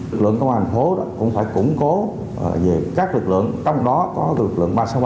lực lượng công an thành phố cũng phải củng cố về các lực lượng trong đó có lực lượng ba trăm sáu mươi ba